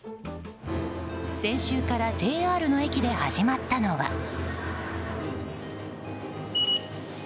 先週からＪＲの駅で始まったのは。